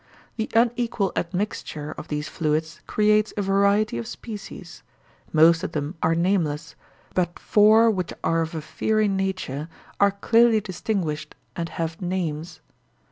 The unequal admixture of these fluids creates a variety of species; most of them are nameless, but four which are of a fiery nature are clearly distinguished and have names.